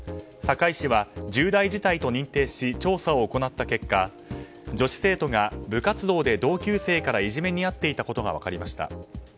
堺市は重大事態と認定し調査を行った結果女子生徒が、部活動で同級生からいじめにあっていたことが分かりました。